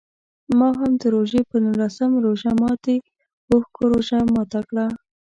ما هم د روژې په نولسم روژه ماتي په اوښکو روژه ماته کړه.